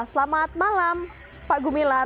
selamat malam pak gumilar